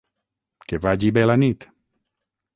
Que vagi bé la nit.